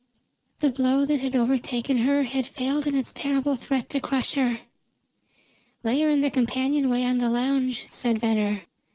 The blow that had overtaken her had failed in its terrible threat to crush her. "Lay her in the companionway on the lounge," said Venner.